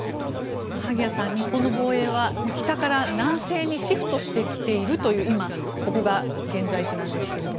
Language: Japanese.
萩谷さん、日本の防衛は北から南西にシフトしてきているという今、ここが現在地なんですが